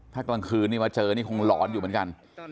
ถ้ากลางคืนนี่มาเจอนี่คงหลอนอยู่เหมือนกัน